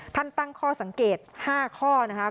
ตั้งข้อสังเกต๕ข้อนะครับ